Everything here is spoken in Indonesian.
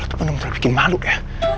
lo tuh penuh mencoba bikin malu ya